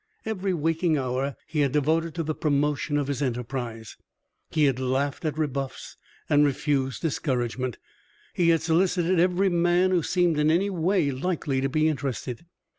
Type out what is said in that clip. Every waking hour he had devoted to the promotion of his enterprise. He had laughed at rebuffs and refused discouragement; he had solicited every man who seemed in any way likely to be interested.